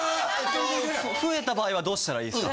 増えた場合はどうしたらいいですか？